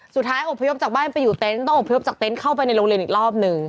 อบพยพจากบ้านไปอยู่เต็นต์ต้องอบพยพจากเต็นต์เข้าไปในโรงเรียนอีกรอบหนึ่ง